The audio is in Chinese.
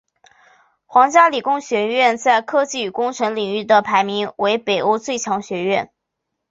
皇家理工学院在科技与工程领域的排名为北欧最强学府。